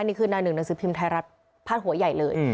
นี่คือหน้าหนึ่งหนังสือพิมพ์ไทยรัฐพาดหัวใหญ่เลย